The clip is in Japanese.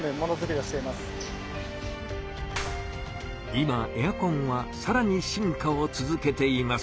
今エアコンはさらに進化を続けています。